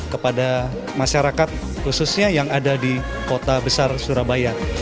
kepada masyarakat khususnya yang ada di kota besar surabaya